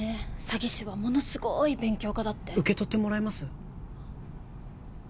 詐欺師はものすごい勉強家だって受け取ってもらえます？